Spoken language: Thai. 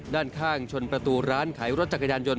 ด้านข้างชนประตูร้านขายรถจักรยานยนต